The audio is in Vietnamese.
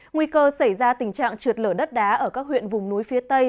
nguy cơ xảy ra tình trạng trượt lở đất đá ở các huyện vùng núi phía tây